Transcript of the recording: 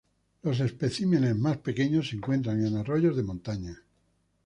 Los especímenes más pequeños se encuentran en arroyos de montaña.